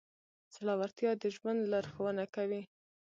زړهورتیا د ژوند لارښوونه کوي.